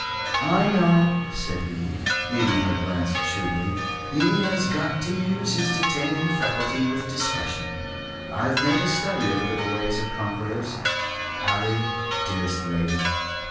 "I know," said he, meeting her glance shrewdly. "He has got to use his detaining faculty with discretion. I've made a study of the little ways of conquerors. Ali! Dearest lady!"